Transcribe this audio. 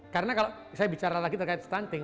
karena kalau saya bicara lagi terkait stunting